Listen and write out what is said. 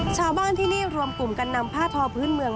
ชาวบ้านที่นี่รวมกลุ่มกันนำผ้าทอพื้นเมือง